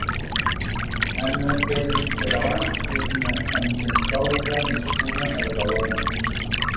Anna Pérez i Català és una ambientòloga nascuda a Badalona.